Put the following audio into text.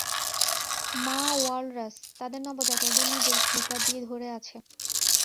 মা ওয়ালরাস, তাদের নবজাতকদের নিজের ফ্লিপার দিয়ে ধরে আছে।